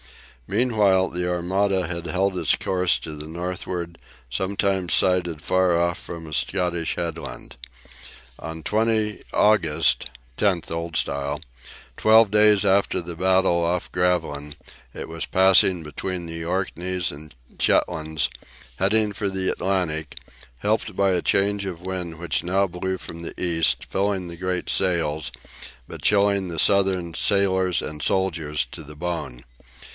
Meanwhile, the Armada had held its course to the northward, sometimes sighted far off from a Scottish headland. On 20 August (10th, Old Style), twelve days after the battle off Gravelines, it was passing between the Orkneys and Shetlands, heading for the Atlantic, helped by a change of wind which now blew from the east, filling the great sails, but chilling the southern sailors and soldiers to the bone.